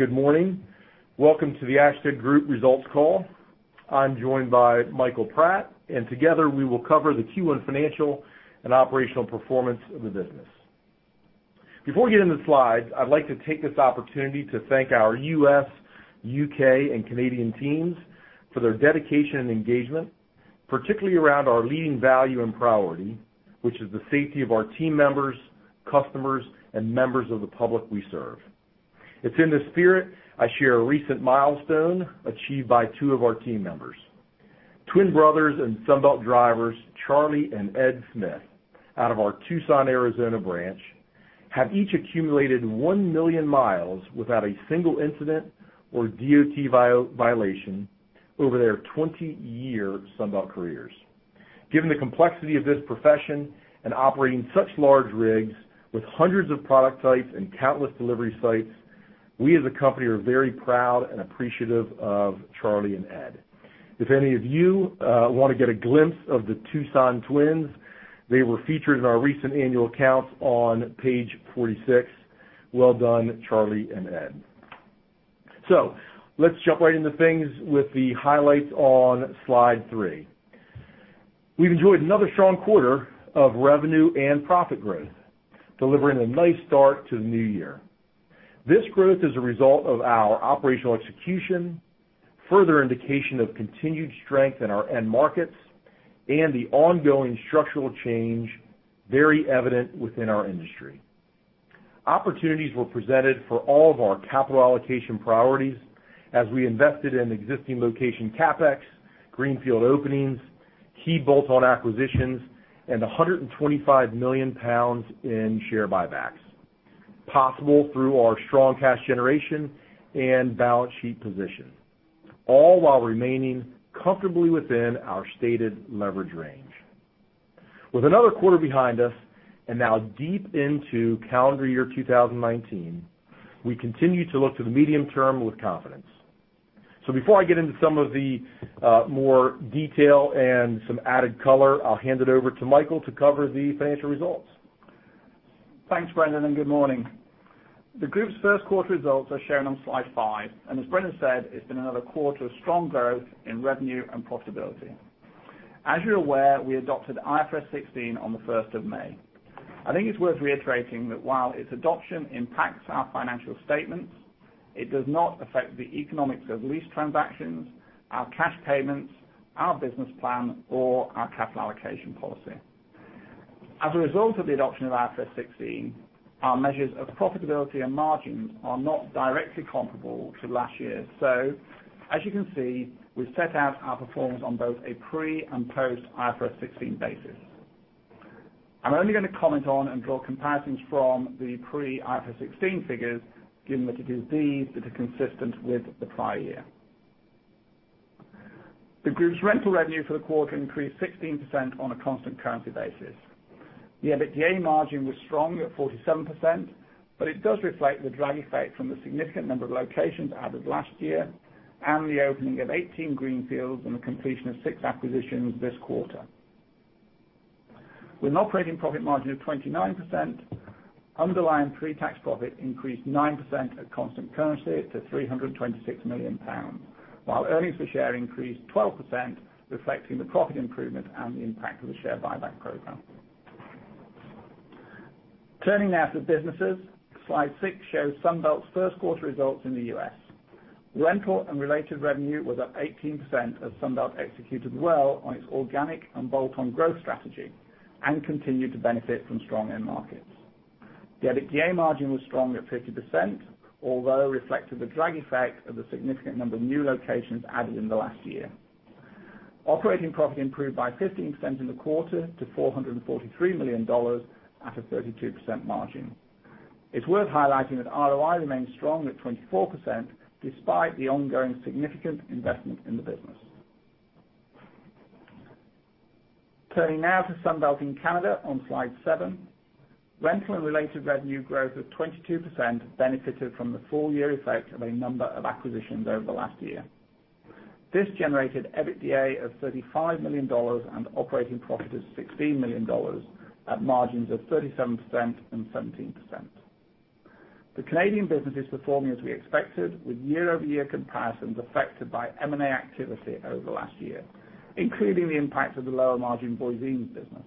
Good morning. Welcome to the Ashtead Group results call. I'm joined by Michael Pratt, and together we will cover the Q1 financial and operational performance of the business. Before we get into the slides, I'd like to take this opportunity to thank our U.S., U.K., and Canadian teams for their dedication and engagement, particularly around our leading value and priority, which is the safety of our team members, customers, and members of the public we serve. It's in this spirit I share a recent milestone achieved by two of our team members. Twin brothers and Sunbelt drivers, Charlie and Ed Smith, out of our Tucson, Arizona branch, have each accumulated 1 million miles without a single incident or DOT violation over their 20-year Sunbelt careers. Given the complexity of this profession and operating such large rigs with hundreds of product types and countless delivery sites, we as a company are very proud and appreciative of Charlie and Ed. If any of you want to get a glimpse of the Tucson twins, they were featured in our recent annual accounts on page 46. Well done, Charlie and Ed. Let's jump right into things with the highlights on slide three. We've enjoyed another strong quarter of revenue and profit growth, delivering a nice start to the new year. This growth is a result of our operational execution, further indication of continued strength in our end markets, and the ongoing structural change very evident within our industry. Opportunities were presented for all of our capital allocation priorities as we invested in existing location CapEx, greenfield openings, key bolt-on acquisitions, and 125 million pounds in share buybacks, possible through our strong cash generation and balance sheet position, all while remaining comfortably within our stated leverage range. With another quarter behind us and now deep into calendar year 2019, we continue to look to the medium term with confidence. Before I get into some of the more detail and some added color, I'll hand it over to Michael to cover the financial results. Thanks, Brendan, and good morning. The group's first quarter results are shown on slide five, and as Brendan said, it's been another quarter of strong growth in revenue and profitability. As you're aware, we adopted IFRS 16 on the first of May. I think it's worth reiterating that while its adoption impacts our financial statements, it does not affect the economics of lease transactions, our cash payments, our business plan, or our capital allocation policy. As a result of the adoption of IFRS 16, our measures of profitability and margins are not directly comparable to last year. As you can see, we've set out our performance on both a pre- and post-IFRS 16 basis. I'm only going to comment on and draw comparisons from the pre-IFRS 16 figures, given that it is these that are consistent with the prior year. The group's rental revenue for the quarter increased 16% on a constant currency basis. The EBITDA margin was strong at 47%, but it does reflect the drag effect from the significant number of locations added last year and the opening of 18 greenfields and the completion of six acquisitions this quarter. With an operating profit margin of 29%, underlying pre-tax profit increased 9% at constant currency to 326 million pounds, while earnings per share increased 12%, reflecting the profit improvement and the impact of the share buyback program. Turning now to the businesses. Slide six shows Sunbelt's first quarter results in the U.S. Rental and related revenue was up 18% as Sunbelt executed well on its organic and bolt-on growth strategy and continued to benefit from strong end markets. The EBITDA margin was strong at 50%, although reflected the drag effect of the significant number of new locations added in the last year. Operating profit improved by 15% in the quarter to $443 million, at a 32% margin. It is worth highlighting that ROI remains strong at 24%, despite the ongoing significant investment in the business. Turning now to Sunbelt in Canada on slide seven. Rental and related revenue growth of 22% benefited from the full year effect of a number of acquisitions over the last year. This generated EBITDA of CAD 35 million and operating profit of CAD 16 million at margins of 37% and 17%. The Canadian business is performing as we expected, with year-over-year comparisons affected by M&A activity over the last year, including the impact of the lower margin Boise business.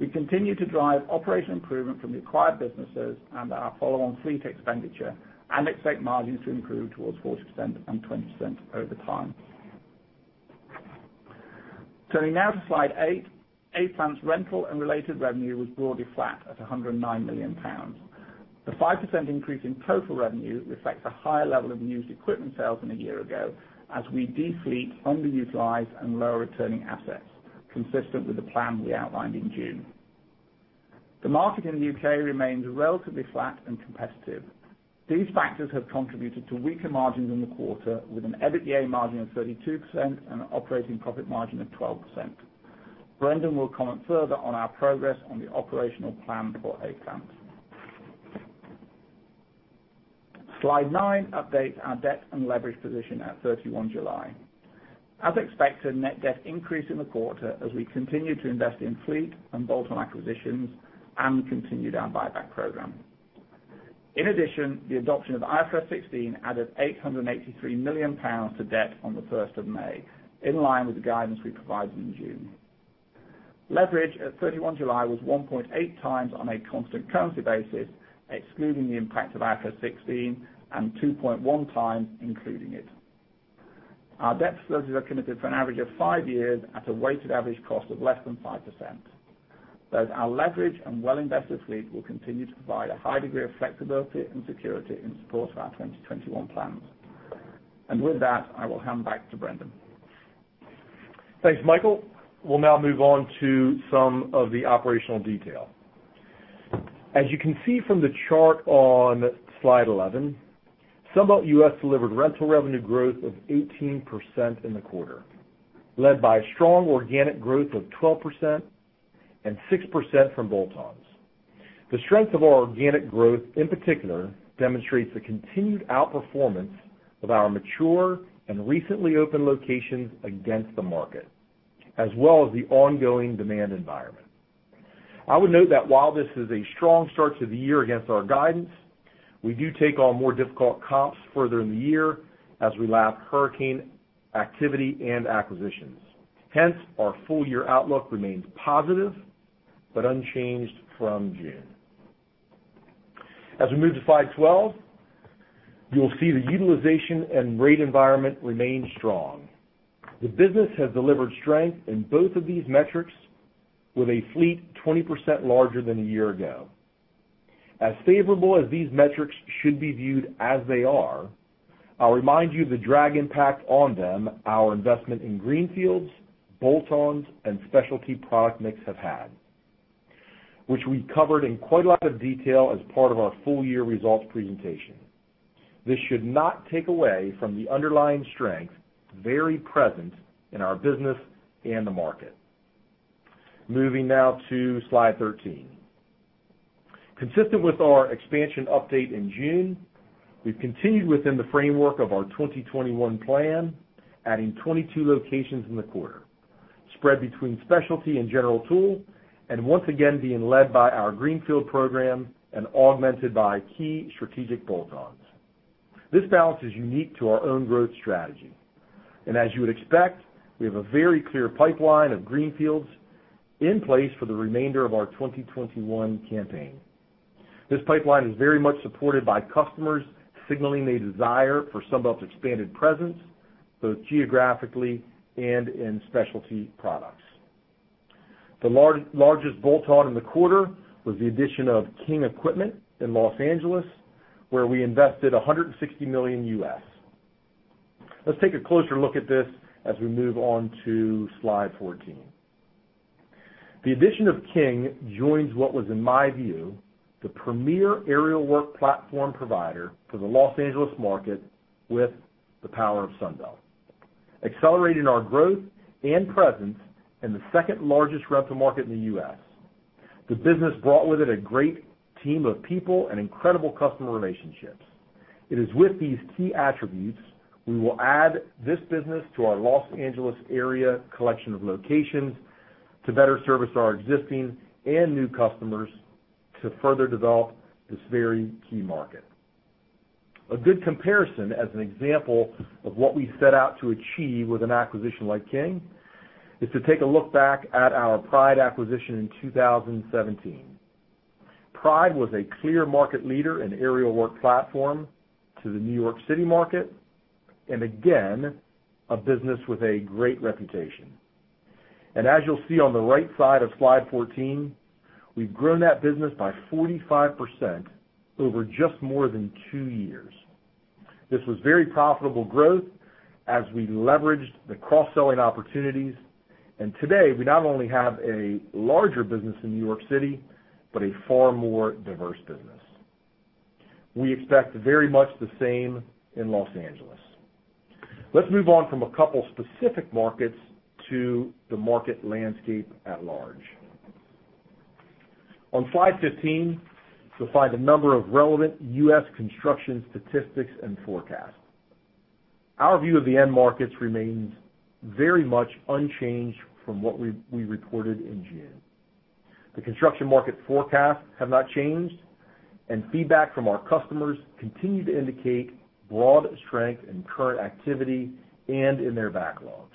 We continue to drive operational improvement from the acquired businesses and our follow-on fleet expenditure and expect margins to improve towards 40% and 20% over time. Turning now to slide eight. A-Plant's rental and related revenue was broadly flat at 109 million pounds. The 5% increase in total revenue reflects a higher level of used equipment sales than a year ago as we de-fleet underutilized and lower returning assets, consistent with the plan we outlined in June. The market in the U.K. remains relatively flat and competitive. These factors have contributed to weaker margins in the quarter, with an EBITDA margin of 32% and an operating profit margin of 12%. Brendan will comment further on our progress on the operational plan for A-Plant. Slide nine updates our debt and leverage position at 31 July. As expected, net debt increased in the quarter as we continued to invest in fleet and bolt-on acquisitions and continued our buyback program. In addition, the adoption of IFRS 16 added 883 million pounds to debt on the 1st of May, in line with the guidance we provided in June. Leverage at 31 July was 1.8 times on a constant currency basis, excluding the impact of IFRS 16, and 2.1 times including it. Our debt facilities are committed for an average of five years at a weighted average cost of less than 5%. Both our leverage and well-invested fleet will continue to provide a high degree of flexibility and security in support of our 2021 plans. With that, I will hand back to Brendan. Thanks, Michael. We'll now move on to some of the operational detail. As you can see from the chart on slide 11, Sunbelt US delivered rental revenue growth of 18% in the quarter, led by strong organic growth of 12% and 6% from bolt-ons. The strength of our organic growth, in particular, demonstrates the continued outperformance of our mature and recently opened locations against the market, as well as the ongoing demand environment. I would note that while this is a strong start to the year against our guidance, we do take on more difficult comps further in the year as we lap hurricane activity and acquisitions. Hence, our full-year outlook remains positive but unchanged from June. As we move to slide 12, you'll see the utilization and rate environment remains strong. The business has delivered strength in both of these metrics with a fleet 20% larger than a year ago. As favorable as these metrics should be viewed as they are, I'll remind you of the drag impact on them, our investment in greenfields, bolt-ons, and specialty product mix have had, which we covered in quite a lot of detail as part of our full-year results presentation. This should not take away from the underlying strength very present in our business and the market. Moving now to slide 13. Consistent with our expansion update in June, we've continued within the framework of our 2021 plan, adding 22 locations in the quarter, spread between specialty and general tool, and once again, being led by our greenfield program and augmented by key strategic bolt-ons. This balance is unique to our own growth strategy. As you would expect, we have a very clear pipeline of greenfields in place for the remainder of our 2021 campaign. This pipeline is very much supported by customers signaling a desire for Sunbelt's expanded presence, both geographically and in specialty products. The largest bolt-on in the quarter was the addition of King Equipment in Los Angeles, where we invested $160 million. Let's take a closer look at this as we move on to slide 14. The addition of King joins what was, in my view, the premier aerial work platform provider for the Los Angeles market with the power of Sunbelt, accelerating our growth and presence in the second-largest rental market in the U.S. The business brought with it a great team of people and incredible customer relationships. It is with these key attributes we will add this business to our Los Angeles area collection of locations to better service our existing and new customers to further develop this very key market. A good comparison as an example of what we set out to achieve with an acquisition like King, is to take a look back at our Pride acquisition in 2017. Again, a business with a great reputation. Pride was a clear market leader in aerial work platform to the New York City market. As you'll see on the right side of slide 14, we've grown that business by 45% over just more than two years. This was very profitable growth as we leveraged the cross-selling opportunities. Today, we not only have a larger business in New York City, but a far more diverse business. We expect very much the same in Los Angeles. Let's move on from a couple of specific markets to the market landscape at large. On slide 15, you'll find a number of relevant U.S. construction statistics and forecasts. Our view of the end markets remains very much unchanged from what we reported in June. The construction market forecasts have not changed, and feedback from our customers continue to indicate broad strength in current activity and in their backlogs.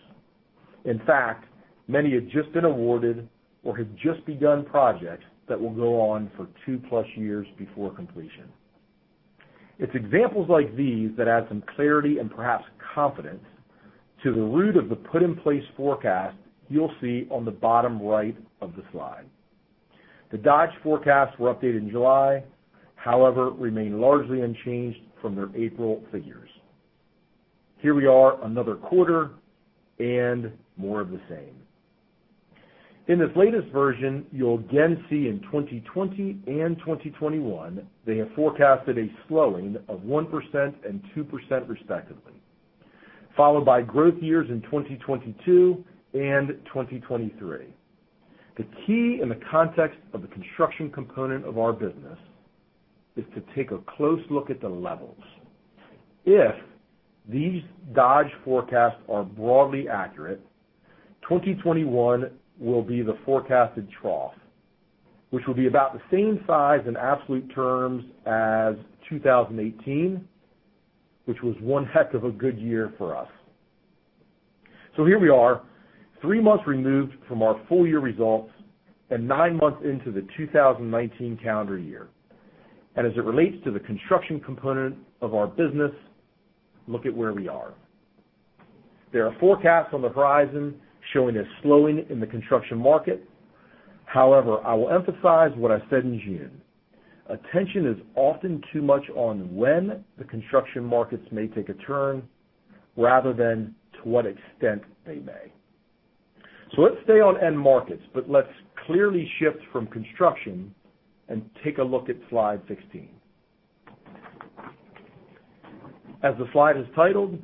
In fact, many have just been awarded or have just begun projects that will go on for two-plus years before completion. It's examples like these that add some clarity and perhaps confidence to the root of the put in place forecast you'll see on the bottom right of the slide. The Dodge forecasts were updated in July, however, remain largely unchanged from their April figures. Here we are, another quarter and more of the same. In this latest version, you'll again see in 2020 and 2021, they have forecasted a slowing of 1% and 2% respectively, followed by growth years in 2022 and 2023. The key in the context of the construction component of our business is to take a close look at the levels. If these Dodge forecasts are broadly accurate, 2021 will be the forecasted trough, which will be about the same size in absolute terms as 2018, which was one heck of a good year for us. Here we are, three months removed from our full year results and nine months into the 2019 calendar year. As it relates to the construction component of our business, look at where we are. There are forecasts on the horizon showing a slowing in the construction market. However, I will emphasize what I said in June. Attention is often too much on when the construction markets may take a turn rather than to what extent they may. Let's stay on end markets, but let's clearly shift from construction and take a look at slide 16. As the slide is titled,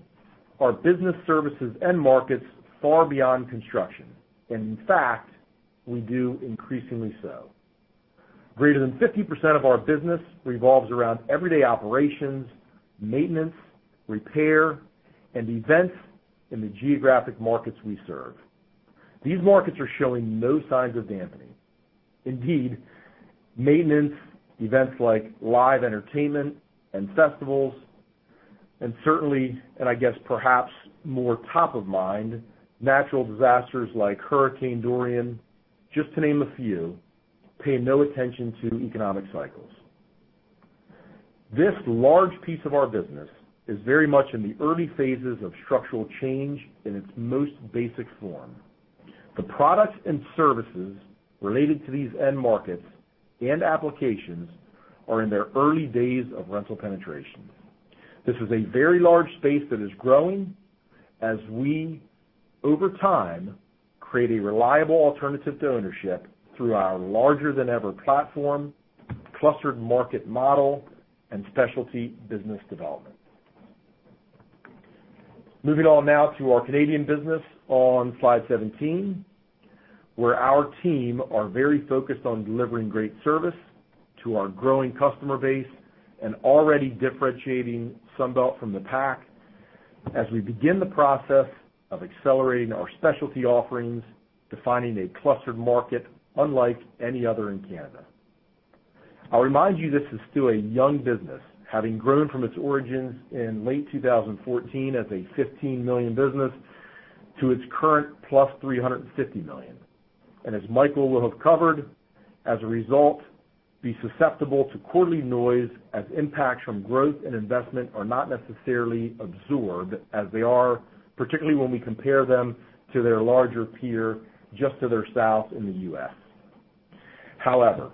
our business services end markets far beyond construction, and in fact, we do increasingly so. Greater than 50% of our business revolves around everyday operations, maintenance, repair, and events in the geographic markets we serve. These markets are showing no signs of dampening. Indeed, maintenance, events like live entertainment and festivals, and certainly, and I guess perhaps more top of mind, natural disasters like Hurricane Dorian, just to name a few, pay no attention to economic cycles. This large piece of our business is very much in the early phases of structural change in its most basic form. The products and services related to these end markets and applications are in their early days of rental penetration. This is a very large space that is growing as we, over time, create a reliable alternative to ownership through our larger than ever platform, clustered market model, and specialty business development. Moving on now to our Canadian business on slide 17, where our team are very focused on delivering great service to our growing customer base and already differentiating Sunbelt from the pack as we begin the process of accelerating our specialty offerings, defining a clustered market unlike any other in Canada. I'll remind you, this is still a young business, having grown from its origins in late 2014 as a 15 million business to its current plus 350 million. As Michael will have covered, as a result, be susceptible to quarterly noise as impacts from growth and investment are not necessarily absorbed as they are, particularly when we compare them to their larger peer just to their south in the U.S. However,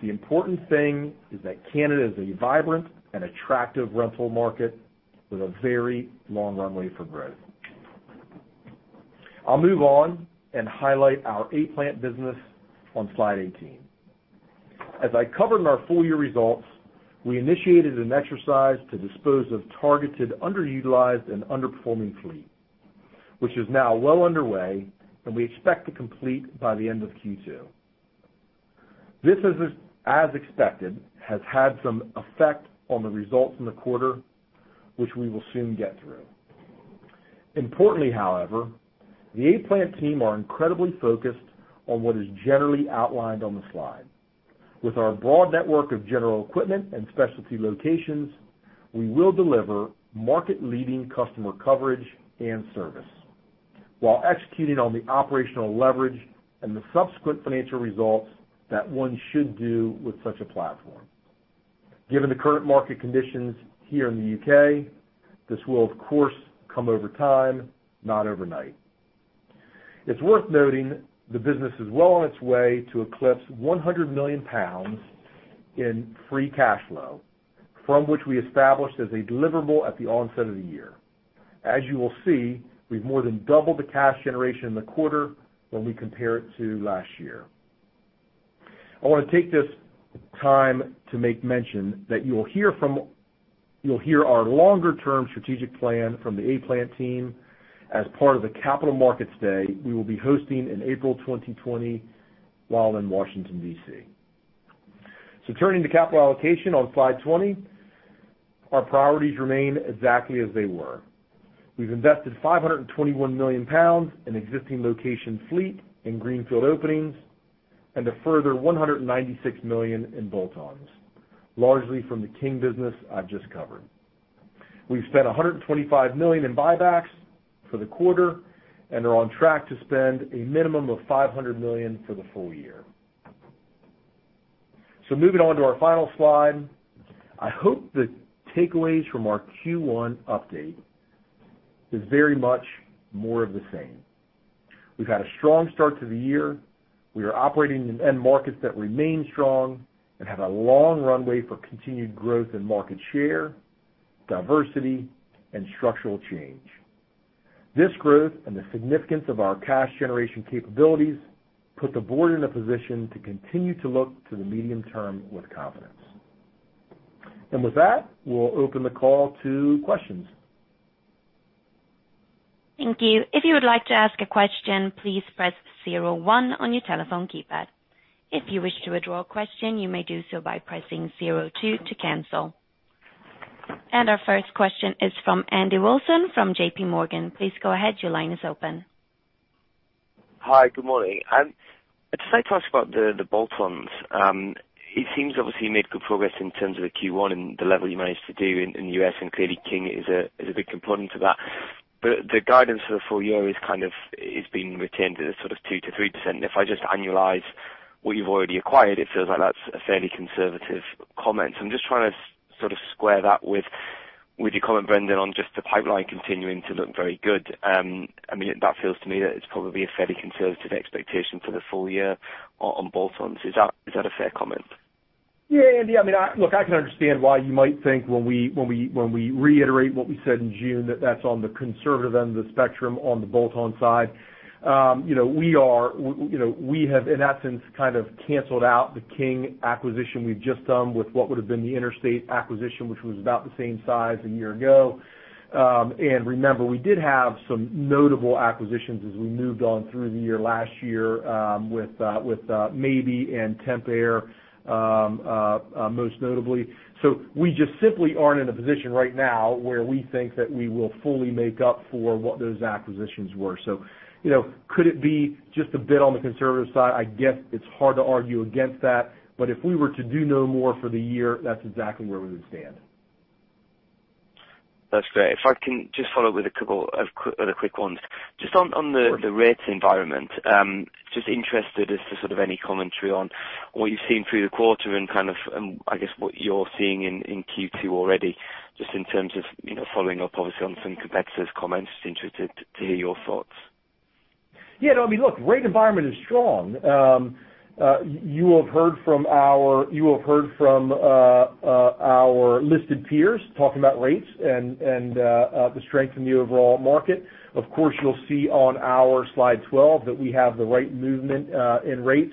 the important thing is that Canada is a vibrant and attractive rental market with a very long runway for growth. I'll move on and highlight our A-Plant business on slide 18. As I covered in our full year results, we initiated an exercise to dispose of targeted underutilized and underperforming fleet, which is now well underway and we expect to complete by the end of Q2. This, as expected, has had some effect on the results in the quarter, which we will soon get through. Importantly, however, the A-Plant team are incredibly focused on what is generally outlined on the slide. With our broad network of general equipment and specialty locations, we will deliver market-leading customer coverage and service while executing on the operational leverage and the subsequent financial results that one should do with such a platform. Given the current market conditions here in the U.K., this will, of course, come over time, not overnight. It's worth noting the business is well on its way to eclipse 100 million pounds in free cash flow, from which we established as a deliverable at the onset of the year. As you will see, we've more than doubled the cash generation in the quarter when we compare it to last year. I want to take this time to make mention that you'll hear our longer-term strategic plan from the A-Plant team as part of the Capital Markets Day we will be hosting in April 2020 while in Washington, D.C. Turning to capital allocation on slide 20, our priorities remain exactly as they were. We've invested 521 million pounds in existing location fleet and greenfield openings, and a further 196 million in bolt-ons, largely from the King business I've just covered. We've spent 125 million in buybacks for the quarter and are on track to spend a minimum of 500 million for the full year. Moving on to our final slide, I hope the takeaways from our Q1 update is very much more of the same. We've had a strong start to the year. We are operating in end markets that remain strong and have a long runway for continued growth and market share, diversity, and structural change. This growth and the significance of our cash generation capabilities put the board in a position to continue to look to the medium term with confidence. With that, we'll open the call to questions. Thank you. If you would like to ask a question, please press 01 on your telephone keypad. If you wish to withdraw a question, you may do so by pressing 02 to cancel. Our first question is from Andy Wilson from J.P. Morgan. Please go ahead. Your line is open. Hi. Good morning. I'd just like to ask about the bolt-ons. It seems obviously you made good progress in terms of the Q1 and the level you managed to do in U.S., and clearly King is a big component of that. The guidance for the full year is being retained at a sort of 2%-3%. If I just annualize what you've already acquired, it feels like that's a fairly conservative comment. I'm just trying to sort of square that with your comment, Brendan, on just the pipeline continuing to look very good. That feels to me that it's probably a fairly conservative expectation for the full year on bolt-ons. Is that a fair comment? Yeah, Andy. Look, I can understand why you might think when we reiterate what we said in June that that's on the conservative end of the spectrum on the bolt-on side. We have, in that sense, kind of canceled out the King acquisition we've just done with what would have been the Interstate acquisition, which was about the same size a year ago. Remember, we did have some notable acquisitions as we moved on through the year last year, with Mabey and Temp-Air, most notably. We just simply aren't in a position right now where we think that we will fully make up for what those acquisitions were. Could it be just a bit on the conservative side? I guess it's hard to argue against that, but if we were to do no more for the year, that's exactly where we would stand. That's great. If I can just follow up with a couple other quick ones. Just on the rate environment, just interested as to sort of any commentary on what you've seen through the quarter and I guess what you're seeing in Q2 already, just in terms of following up, obviously, on some competitors' comments. Just interested to hear your thoughts. Look, rate environment is strong. You will have heard from our listed peers talking about rates and the strength in the overall market. Of course, you'll see on our slide 12 that we have the right movement in rates.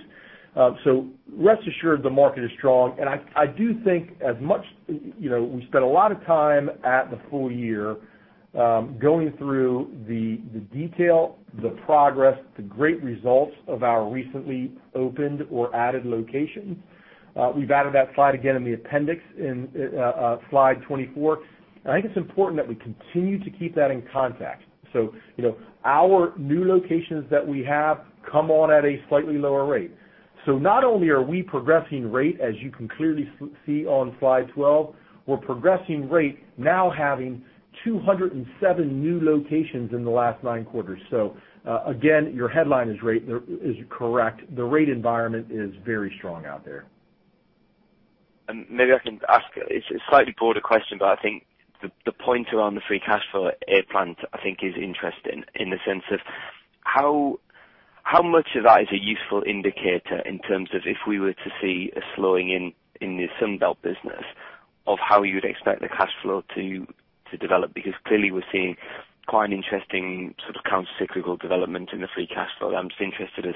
Rest assured the market is strong. I do think we spent a lot of time at the full year, going through the detail, the progress, the great results of our recently opened or added locations. We've added that slide again in the appendix in slide 24, and I think it's important that we continue to keep that in context. Our new locations that we have come on at a slightly lower rate. Not only are we progressing rate, as you can clearly see on slide 12, we're progressing rate now having 207 new locations in the last nine quarters. Again, your headline is correct. The rate environment is very strong out there. Maybe I can ask a slightly broader question, but I think the point around the free cash flow at A-Plant, I think is interesting in the sense of how much of that is a useful indicator in terms of if we were to see a slowing in the Sunbelt business of how you would expect the cash flow to develop? Clearly we're seeing quite an interesting sort of countercyclical development in the free cash flow. I'm just interested as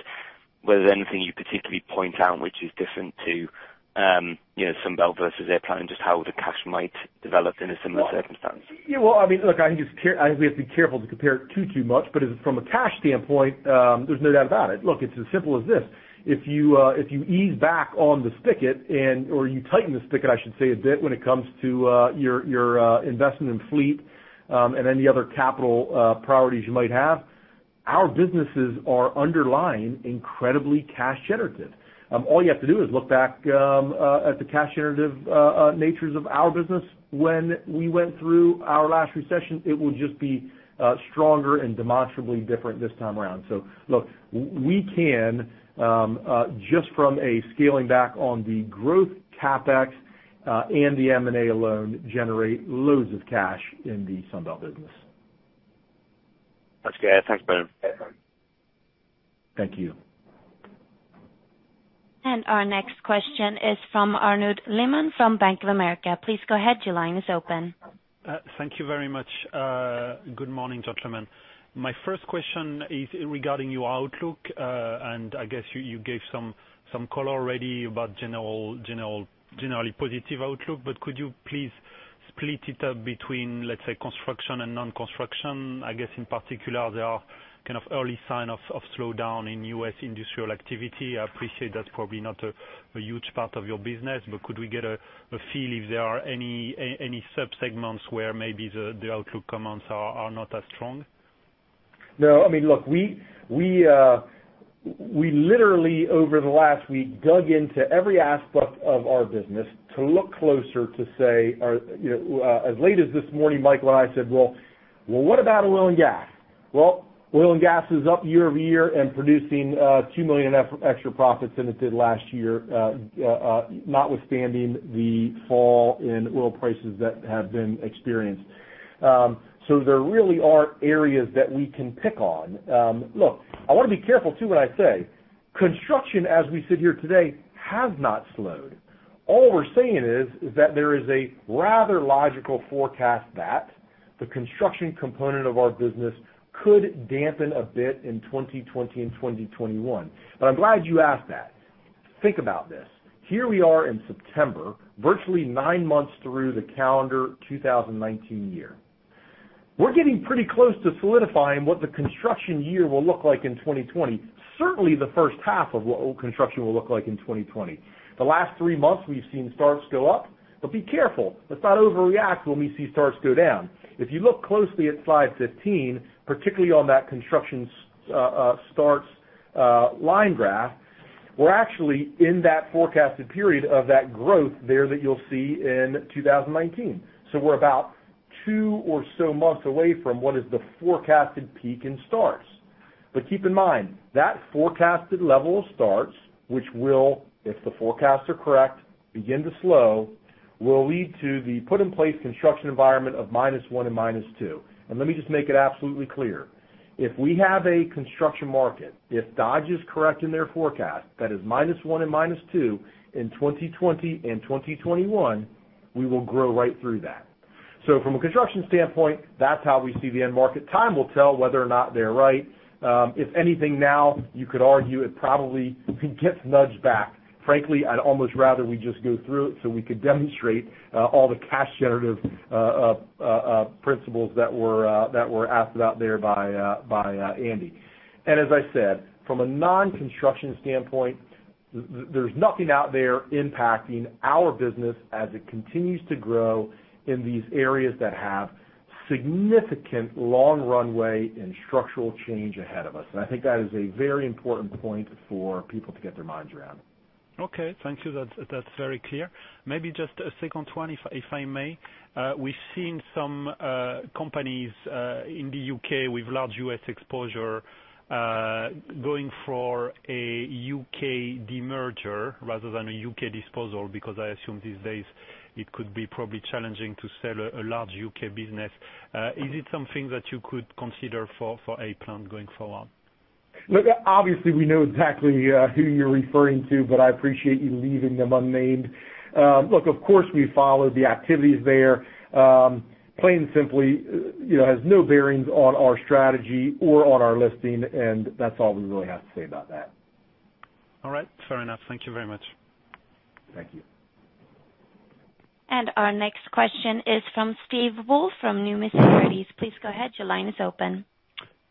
whether there anything you'd particularly point out which is different to Sunbelt versus A-Plant, just how the cash might develop in a similar circumstance. Look, I think we have to be careful to compare it too much. From a cash standpoint, there's no doubt about it. Look, it's as simple as this. If you ease back on the spigot or you tighten the spigot, I should say, a bit when it comes to your investment in fleet, and any other capital priorities you might have, our businesses are underlying incredibly cash generative. All you have to do is look back at the cash generative natures of our business when we went through our last recession. It will just be stronger and demonstrably different this time around. Look, we can, just from a scaling back on the growth CapEx, and the M&A alone, generate loads of cash in the Sunbelt business. That's clear. Thanks, Brendan. Thank you. Our next question is from Arnaud Le Menac'h from Bank of America. Please go ahead. Your line is open. Thank you very much. Good morning, gentlemen. My first question is regarding your outlook. I guess you gave some color already about generally positive outlook. Could you please split it up between, let's say, construction and non-construction? I guess in particular, there are kind of early sign of slowdown in U.S. industrial activity. I appreciate that's probably not a huge part of your business. Could we get a feel if there are any sub-segments where maybe the outlook comments are not as strong? No. Look, we literally over the last week dug into every aspect of our business to look closer. As late as this morning, Michael and I said, "Well, what about oil and gas?" Well, oil and gas is up year-over-year and producing 2 million extra profits than it did last year, notwithstanding the fall in oil prices that have been experienced. There really are areas that we can pick on. Look, I want to be careful, too, what I say. Construction, as we sit here today, has not slowed. All we're saying is that there is a rather logical forecast that the construction component of our business could dampen a bit in 2020 and 2021. I'm glad you asked that. Think about this. Here we are in September, virtually nine months through the calendar 2019 year. We're getting pretty close to solidifying what the construction year will look like in 2020. Certainly, the first half of what all construction will look like in 2020. The last three months we've seen starts go up. Be careful. Let's not overreact when we see starts go down. If you look closely at slide 15, particularly on that construction starts line graph, we're actually in that forecasted period of that growth there that you'll see in 2019. We're about two or so months away from what is the forecasted peak in starts. Keep in mind, that forecasted level of starts, which will, if the forecasts are correct, begin to slow, will lead to the put in place construction environment of -1 and -2. Let me just make it absolutely clear. If we have a construction market, if Dodge is correct in their forecast, that is minus one and minus two in 2020 and 2021, we will grow right through that. From a construction standpoint, that's how we see the end market. Time will tell whether or not they're right. If anything now, you could argue it probably could get nudged back. Frankly, I'd almost rather we just go through it so we could demonstrate all the cash generative principles that were asked about there by Andy. As I said, from a non-construction standpoint, there's nothing out there impacting our business as it continues to grow in these areas that have significant long runway and structural change ahead of us. I think that is a very important point for people to get their minds around. Okay. Thank you. That's very clear. Maybe just a second one, if I may. We've seen some companies in the U.K. with large U.S. exposure, going for a U.K. demerger rather than a U.K. disposal, because I assume these days it could be probably challenging to sell a large U.K. business. Is it something that you could consider for a plan going forward? Look, obviously, we know exactly who you're referring to, but I appreciate you leaving them unnamed. Look, of course, we follow the activities there. Plain and simply, it has no bearings on our strategy or on our listing. That's all we really have to say about that. All right. Fair enough. Thank you very much. Thank you. Our next question is from Steve Woolf from Numis Securities. Please go ahead. Your line is open.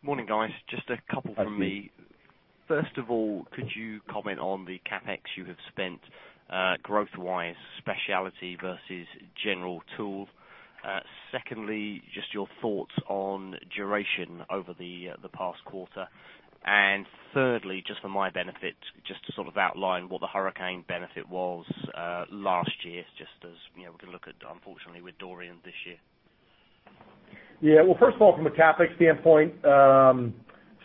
Morning, guys. Just a couple from me. Hi, Steve. First of all, could you comment on the CapEx you have spent growth-wise, specialty versus general tool? Secondly, just your thoughts on duration over the past quarter. Thirdly, just for my benefit, just to sort of outline what the hurricane benefit was last year, just as we can look at, unfortunately, with Dorian this year. Well, first of all, from a CapEx standpoint,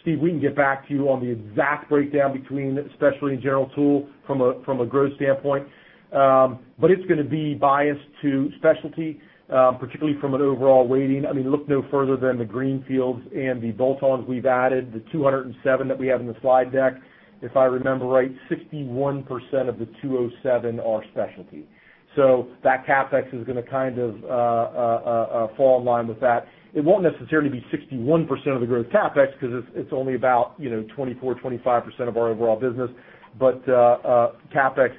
Steve, we can get back to you on the exact breakdown between specialty and general tool from a growth standpoint. It's going to be biased to specialty, particularly from an overall weighting. Look no further than the greenfields and the bolt-ons we've added, the 207 that we have in the slide deck. If I remember right, 61% of the 207 are specialty. That CapEx is going to kind of fall in line with that. It won't necessarily be 61% of the growth CapEx because it's only about 24%, 25% of our overall business. CapEx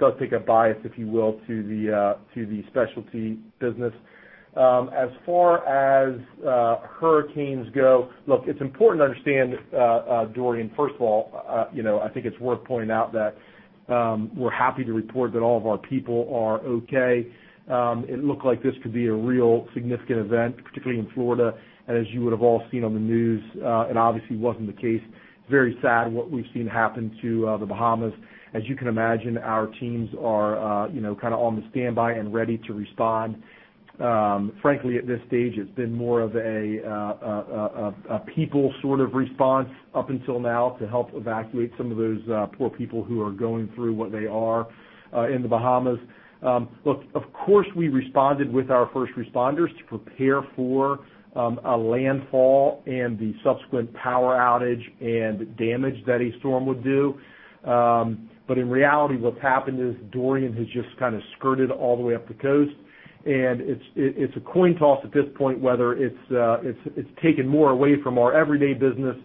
does take a bias, if you will, to the specialty business. As far as hurricanes go, look, it's important to understand Dorian. First of all, I think it's worth pointing out that we're happy to report that all of our people are okay. It looked like this could be a real significant event, particularly in Florida. As you would have all seen on the news, it obviously wasn't the case. Very sad what we've seen happen to the Bahamas. As you can imagine, our teams are kind of on the standby and ready to respond. Frankly, at this stage, it's been more of a people sort of response up until now to help evacuate some of those poor people who are going through what they are in the Bahamas. Look, of course, we responded with our first responders to prepare for a landfall and the subsequent power outage and damage that a storm would do. In reality, what's happened is Dorian has just kind of skirted all the way up the coast, and it's a coin toss at this point whether it's taken more away from our everyday business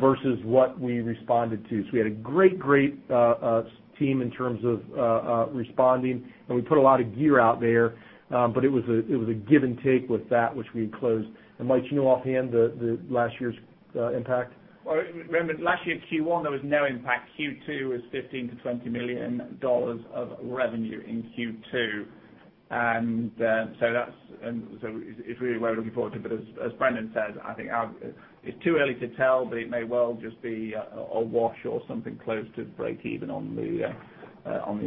versus what we responded to. We had a great team in terms of responding, and we put a lot of gear out there. It was a give and take with that, which we had closed. Mike, do you know offhand the last year's impact? Well, remember last year, Q1, there was no impact. Q2 was $15 million-$20 million of revenue in Q2. It's really what we're looking forward to. As Brendan said, I think it's too early to tell, but it may well just be a wash or something close to breakeven on the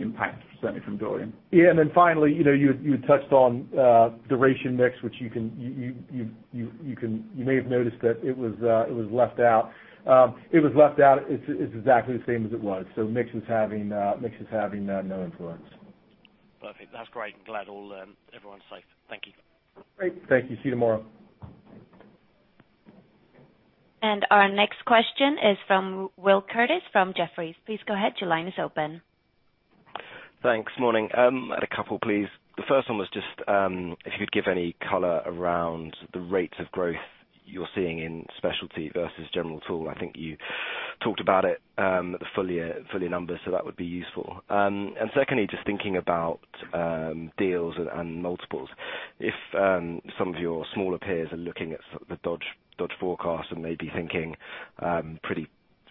impact, certainly from Dorian. Yeah. Finally, you had touched on duration mix, which you may have noticed that it was left out. It was left out. It's exactly the same as it was. Mix is having no influence. Perfect. That's great. I'm glad everyone's safe. Thank you. Great. Thank you. See you tomorrow. Our next question is from Will Kirkness from Jefferies. Please go ahead. Your line is open. Thanks. Morning. I had a couple, please. The first one was just if you could give any color around the rates of growth you're seeing in specialty versus general tool. I think you talked about it at the full year numbers, so that would be useful. Secondly, just thinking about deals and multiples. If some of your smaller peers are looking at the Dodge forecast and maybe thinking pretty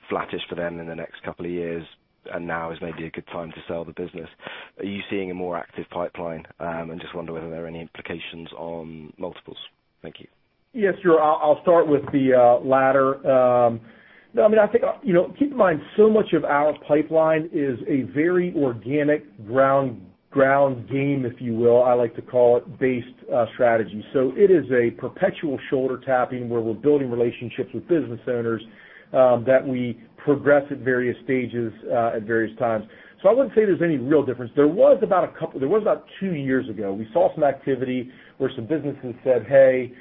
flattish for them in the next couple of years, and now is maybe a good time to sell the business. Are you seeing a more active pipeline? Just wonder whether there are any implications on multiples. Thank you. Yes, sure. I'll start with the latter. Keep in mind, so much of our pipeline is a very organic ground game, if you will, I like to call it, based strategy. It is a perpetual shoulder-tapping where we're building relationships with business owners that we progress at various stages at various times. I wouldn't say there's any real difference. There was about two years ago. We saw some activity where some businesses said, "Hey,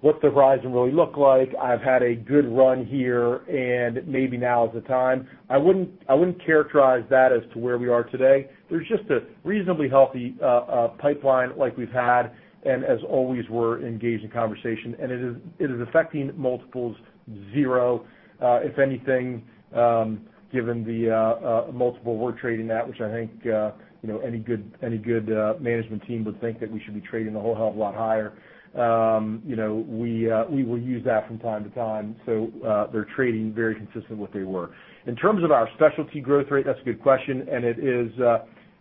what's the horizon really look like? I've had a good run here, and maybe now is the time." I wouldn't characterize that as to where we are today. There's just a reasonably healthy pipeline like we've had, and as always, we're engaged in conversation. It is affecting multiples zero. If anything, given the multiple we're trading at, which I think any good management team would think that we should be trading a whole hell of a lot higher. We will use that from time to time. They're trading very consistent with what they were. In terms of our specialty growth rate, that's a good question, and it is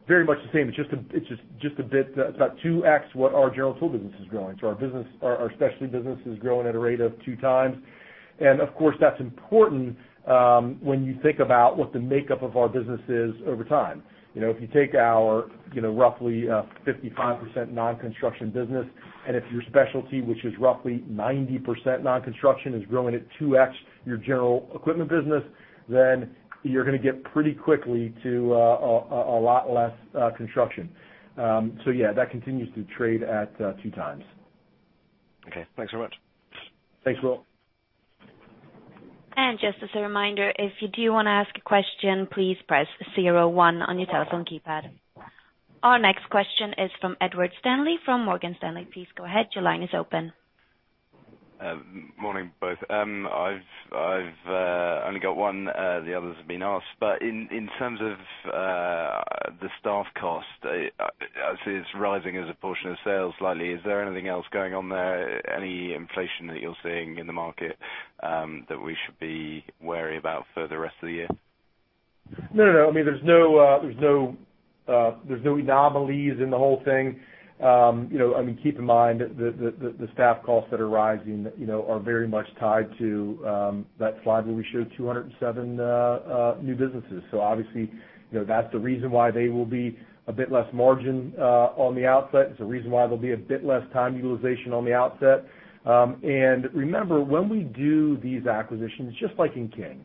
very much the same. It's about 2x what our general tool business is growing. Our specialty business is growing at a rate of two times. Of course, that's important when you think about what the makeup of our business is over time. If you take our roughly 55% non-construction business, and if your specialty, which is roughly 90% non-construction, is growing at 2x your general equipment business, then you're going to get pretty quickly to a lot less construction. Yeah, that continues to trade at two times. Okay. Thanks very much. Thanks, Will. Just as a reminder, if you do want to ask a question, please press 01 on your telephone keypad. Our next question is from Ed Stanley from Morgan Stanley. Please go ahead. Your line is open. Morning, both. I've only got one. The others have been asked. In terms of the staff cost, as it's rising as a portion of sales slightly, is there anything else going on there, any inflation that you're seeing in the market that we should be wary about for the rest of the year? No. There's no anomalies in the whole thing. Keep in mind the staff costs that are rising are very much tied to that slide where we showed 207 new businesses. Obviously, that's the reason why they will be a bit less margin on the outset. It's the reason why there'll be a bit less time utilization on the outset. Remember, when we do these acquisitions, just like in King,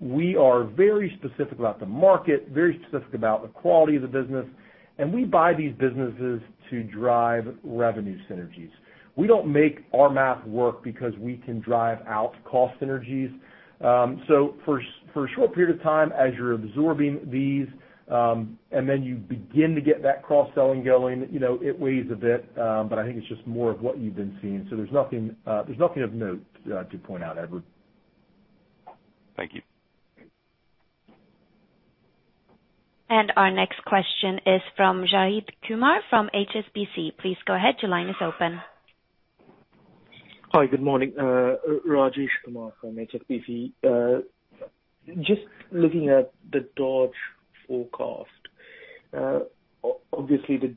we are very specific about the market, very specific about the quality of the business, and we buy these businesses to drive revenue synergies. We don't make our math work because we can drive out cost synergies. For a short period of time, as you're absorbing these, and then you begin to get that cross-selling going, it weighs a bit, but I think it's just more of what you've been seeing. There's nothing of note to point out, Edward. Thank you. Our next question is from Rajesh Kumar from HSBC. Please go ahead. Your line is open. Hi. Good morning. Rajesh Kumar from HSBC. Just looking at the Dodge forecast. Obviously, the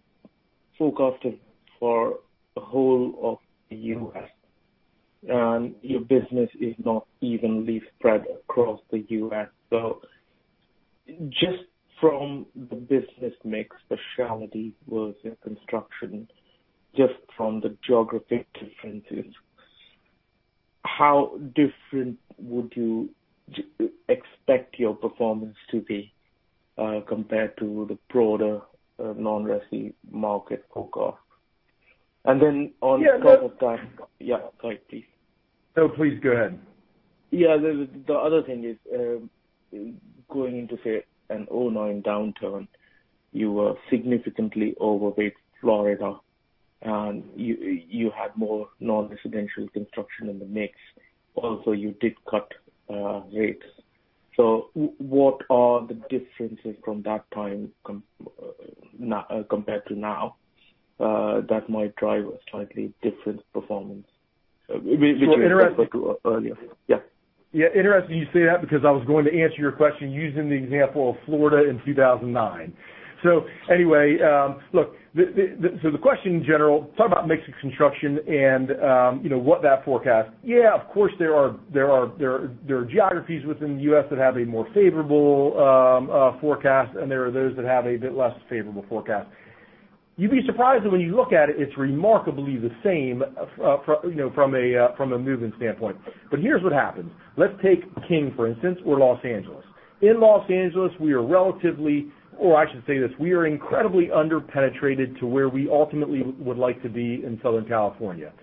forecast is for the whole of the U.S., and your business is not evenly spread across the U.S. Just from the business mix, specialty versus construction, just from the geographic differences, how different would you expect your performance to be compared to the broader non-resi market forecast? On top of that. Yeah. Yeah, sorry, please. No, please go ahead. Yeah, the other thing is, going into, say, a 2009 downturn, you were significantly overweight Florida, and you had more non-residential construction in the mix. You did cut rates. What are the differences from that time compared to now that might drive a slightly different performance? So interesting- Earlier. Yeah. Interesting you say that because I was going to answer your question using the example of Florida in 2009. Anyway, look, the question in general, talk about mix of construction and what that forecast. Of course, there are geographies within the U.S. that have a more favorable forecast, and there are those that have a bit less favorable forecast. You'd be surprised that when you look at it's remarkably the same from a movement standpoint. Here's what happens. Let's take King, for instance, or Los Angeles. In Los Angeles, we are incredibly under-penetrated to where we ultimately would like to be in Southern California.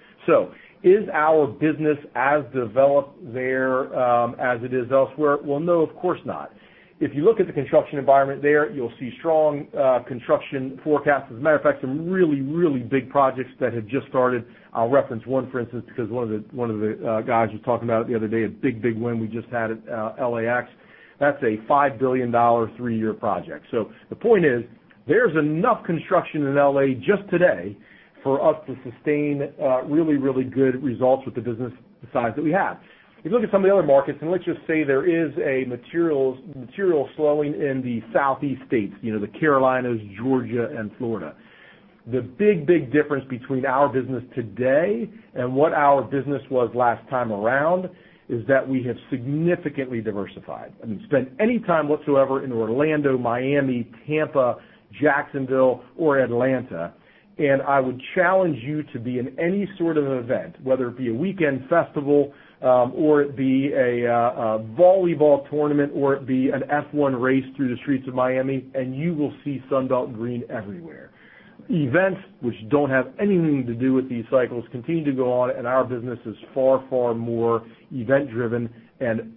Is our business as developed there, as it is elsewhere? Well, no, of course not. If you look at the construction environment there, you'll see strong construction forecasts. As a matter of fact, some really, really big projects that have just started. I'll reference one, for instance, because one of the guys was talking about it the other day, a big, big win we just had at LAX. That's a $5 billion three-year project. The point is, there's enough construction in L.A. just today for us to sustain really, really good results with the business size that we have. If you look at some of the other markets, and let's just say there is a material slowing in the southeast states, the Carolinas, Georgia, and Florida. The big, big difference between our business today and what our business was last time around is that we have significantly diversified. I mean, spend any time whatsoever in Orlando, Miami, Tampa, Jacksonville, or Atlanta, I would challenge you to be in any sort of an event, whether it be a weekend festival, or it be a volleyball tournament, or it be an F1 race through the streets of Miami, You will see Sunbelt green everywhere. Events which don't have anything to do with these cycles continue to go on, Our business is far, far more event-driven and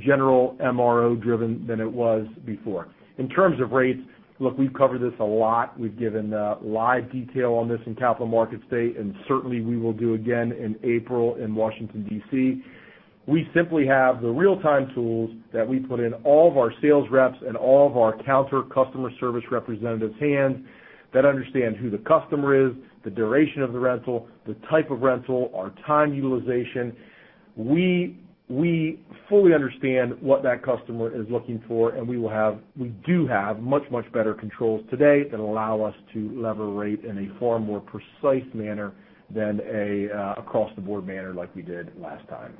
general MRO-driven than it was before. In terms of rates, look, we've covered this a lot. We've given live detail on this in Capital Markets Day, certainly we will do again in April in Washington, D.C. We simply have the real-time tools that we put in all of our sales reps and all of our counter customer service representatives' hands that understand who the customer is, the duration of the rental, the type of rental, our time utilization. We fully understand what that customer is looking for, and we do have much, much better controls today that allow us to lever rate in a far more precise manner than an across-the-board manner like we did last time.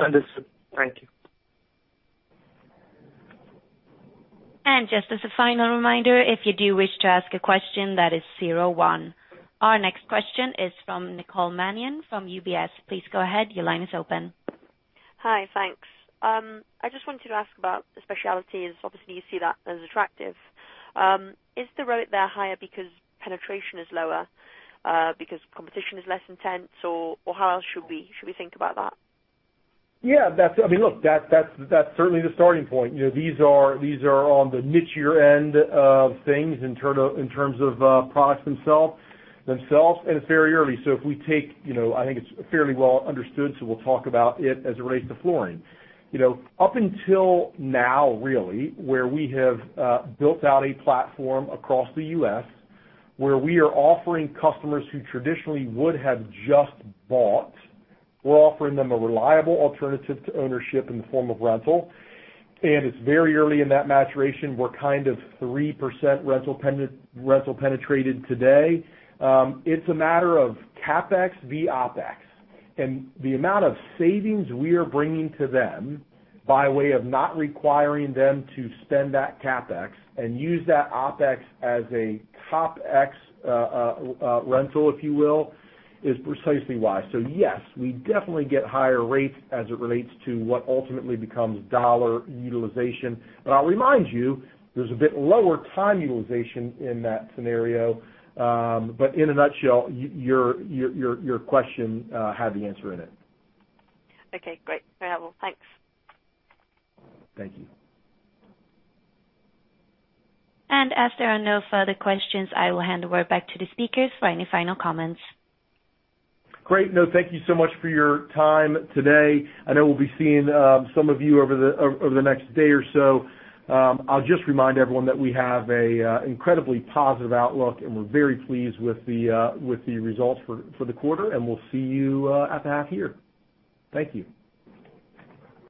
Understood. Thank you. Just as a final reminder, if you do wish to ask a question, that is 01. Our next question is from Nicole Manion from UBS. Please go ahead. Your line is open. Hi. Thanks. I just wanted to ask about the specialties. Obviously, you see that as attractive. Is the rate there higher because penetration is lower, because competition is less intense, or how else should we think about that? Yeah. I mean, look, that's certainly the starting point. These are on the niche-ier end of things in terms of products themselves, and it's very early. If we take, I think it's fairly well understood, so we'll talk about it as it relates to flooring. Up until now, really, where we have built out a platform across the U.S., where we are offering customers who traditionally would have just bought, we're offering them a reliable alternative to ownership in the form of rental. It's very early in that maturation. We're kind of 3% rental-penetrated today. It's a matter of CapEx v OpEx. The amount of savings we are bringing to them by way of not requiring them to spend that CapEx and use that OpEx as a top ex-rental, if you will, is precisely why. Yes, we definitely get higher rates as it relates to what ultimately becomes dollar utilization. I'll remind you, there's a bit lower time utilization in that scenario. In a nutshell, your question had the answer in it. Okay, great. Farewell. Thanks. Thank you. As there are no further questions, I will hand the word back to the speakers for any final comments. Great. No, thank you so much for your time today. I know we'll be seeing some of you over the next day or so. I'll just remind everyone that we have an incredibly positive outlook, and we're very pleased with the results for the quarter, and we'll see you at the half year. Thank you.